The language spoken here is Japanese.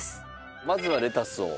まずはレタスを。